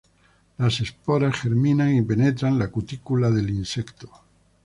Las esporas germinan y penetran la cutícula del insecto.